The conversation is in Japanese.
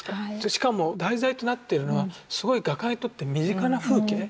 しかも題材となってるのはすごい画家にとって身近な風景。